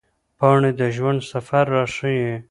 پاڼې د ژوند سفر راښيي